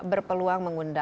perkeong maksud saya